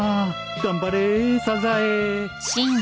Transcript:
頑張れサザエ